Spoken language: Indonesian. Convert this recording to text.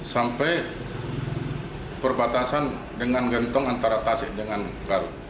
sampai perbatasan dengan gentong antara tasik dengan garut